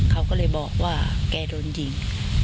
เขาก็เลยบอกว่าแกโดนยิง